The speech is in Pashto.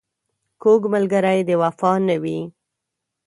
کوږ ملګری د وفا نه وي